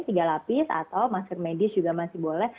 tiga lapis atau masker medis juga masih boleh